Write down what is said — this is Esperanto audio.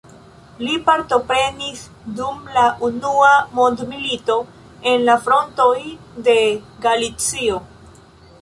Li partoprenis dum la unua mondmilito en la frontoj de Galicio.